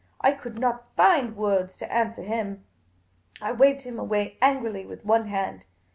I could not find words to answer him. I waved him away angrily with one hand.